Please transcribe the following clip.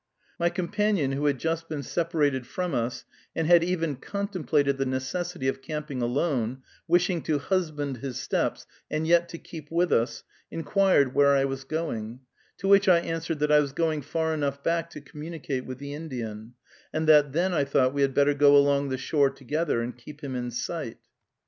My companion, who had just been separated from us, and had even contemplated the necessity of camping alone, wishing to husband his steps, and yet to keep with us, inquired where I was going; to which I answered that I was going far enough back to communicate with the Indian, and that then I thought we had better go along the shore together, and keep him in sight.